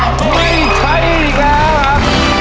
ไม่ใช้อีกแล้วครับ